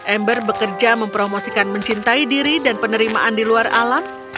ember bekerja mempromosikan mencintai diri dan penerimaan di luar alam